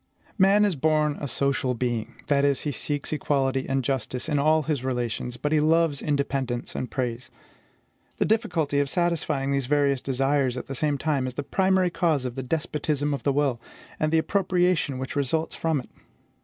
Man is born a social being, that is, he seeks equality and justice in all his relations, but he loves independence and praise. The difficulty of satisfying these various desires at the same time is the primary cause of the despotism of the will, and the appropriation which results from it.